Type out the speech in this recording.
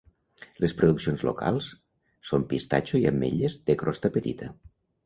Les produccions locals són pistatxo i ametlles de crosta petita.